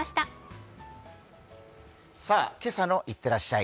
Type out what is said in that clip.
「今朝のいってらっしゃい」